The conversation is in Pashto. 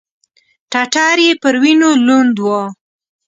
ټټر يې پر وينو لوند و.